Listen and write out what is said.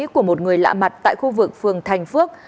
của một người lạ mặt tại khu vực phường thành phước